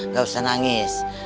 gak usah nangis